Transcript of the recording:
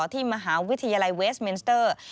ที่มหาวิทยาลัยเวสเมนสเตอร์